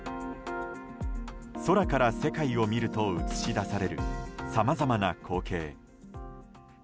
空から世界を見ると映し出されるさまざまな光景。